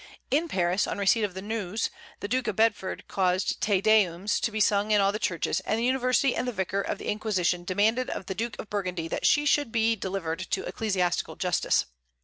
In Paris, on receipt of the news, the Duke of Bedford caused Te Deums to be sung in all the churches, and the University and the Vicar of the Inquisition demanded of the Duke of Burgundy that she should be delivered to ecclesiastical justice.